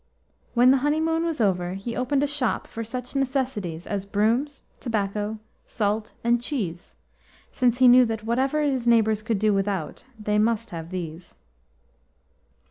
When the honeymoon was over, he opened a shop for such necessities as brooms, tobacco, salt, and cheese, since he knew that, whatever his neighbours could do without, they must have these.